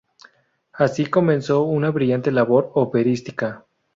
Así comenzó una brillante labor operística.